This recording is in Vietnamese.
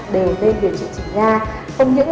đều nên điều trị trình nha không những